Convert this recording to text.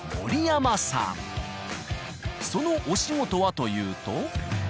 そのお仕事はというと。